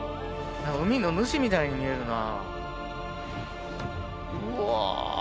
海の主みたいに見えるな。